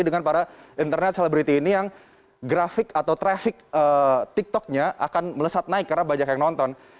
dengan para internet selebriti ini yang grafik atau traffic tiktoknya akan melesat naik karena banyak yang nonton